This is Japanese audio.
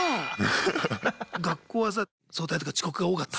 学校はさ早退とか遅刻が多かった？